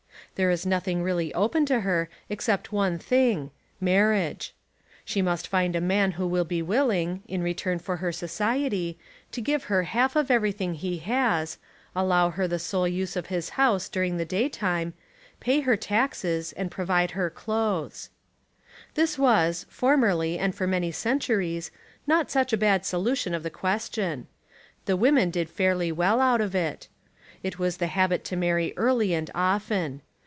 There is nothing really open to her except one thing, — marriage. She must find a man 143 Essays and Literary Studies who will be willing, in return for her society, to give her half of everything he has, allow her the sole use of his house during the day time, pay her taxes, and provide her clothes. This was, formerly and for many centuries, not such a bad solution of the question. The women did fairly well out of it. It was the habit to marry early and often.